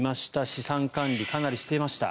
資産管理、かなりしていました。